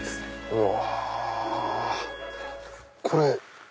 うわ！